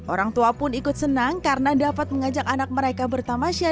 orang tua pun ikut senang karena dapat mengajak anak mereka bertama syariah